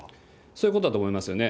そういうことだと思いますよね。